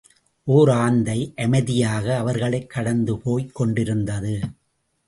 ஓர் ஆந்தை, அமைதியாக அவர்களைக் கடந்துபோய்க் கொண்டிருந்தது.